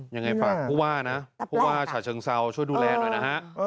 ยังไงฝากผู้ว่านะผู้ว่าฉะเชิงเซาช่วยดูแลหน่อยนะฮะ